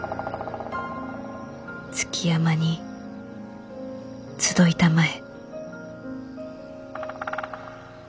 「築山に集いたまえ」。